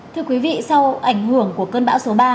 thưa quý vị sau ảnh hưởng của cơn bão số ba